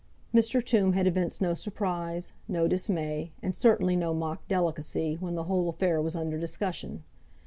Mr. Tombe had evinced no surprise, no dismay, and certainly no mock delicacy, when the whole affair was under discussion.